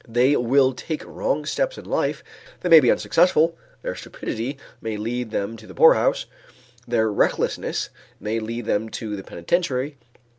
They will take wrong steps in life, they may be unsuccessful, their stupidity may lead them to the poorhouse, their recklessness may lead them to the penitentiary.